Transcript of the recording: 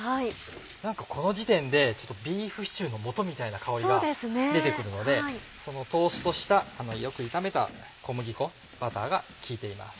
何かこの時点でビーフシチューのもとみたいな香りが出て来るのでトーストしたよく炒めた小麦粉バターが効いています。